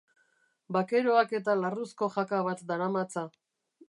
Bakeroak eta larruzko jaka bat daramatza.